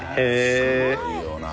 すごいよなあ。